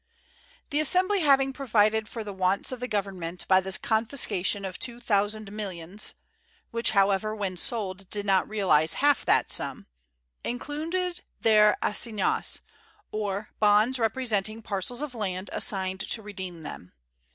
The Assembly having provided for the wants of the government by the confiscation of two thousand millions, which, however, when sold, did not realize half that sum, issued their assignats, or bonds representing parcels of land assigned to redeem them.